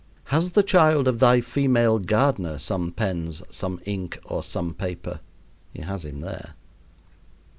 "Has the child of thy female gardener some pens, some ink, or some paper?" He has him there.